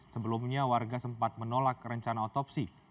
sebelumnya warga sempat menolak rencana otopsi